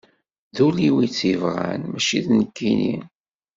D ul-iw i tt-ibɣan mačči d nekkini.